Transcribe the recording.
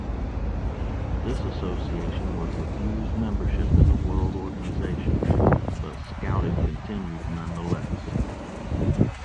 This association was refused membership in the World Organization, but Scouting continued nonetheless.